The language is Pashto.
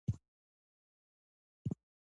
سيدال خان وويل: خبره يې سمه ده.